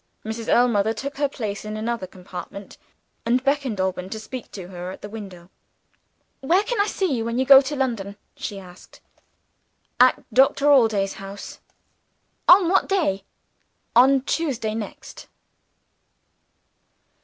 Mrs. Ellmother took her place in another compartment, and beckoned to Alban to speak to her at the window. "Where can I see you, when you go to London?" she asked. "At Doctor Allday's house." "On what day?" "On Tuesday next."